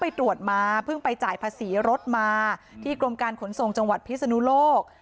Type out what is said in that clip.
ไปตรวจมาเพิ่งไปจ่ายภาษีรถมาที่กรมการขนส่งจังหวัดพิศนุโลก